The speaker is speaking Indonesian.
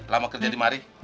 lama kerja di mari